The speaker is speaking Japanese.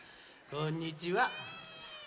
こんにちは。